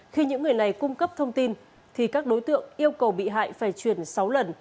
khi những người này cung cấp thông tin thì các đối tượng yêu cầu bị hại phải chuyển sáu lần